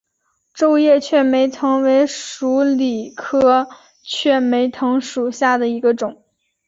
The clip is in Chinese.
皱叶雀梅藤为鼠李科雀梅藤属下的一个种。